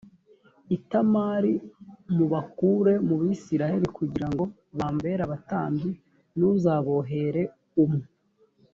itamari m ubakure mu bisirayeli kugira ngo bambere abatambyi n uzabohere umu